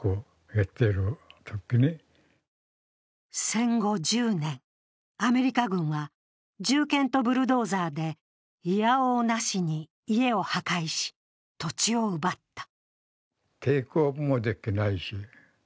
戦後１０年、アメリカ軍は銃剣とブルドーザーで否応なしに家を破壊し、土地を奪った。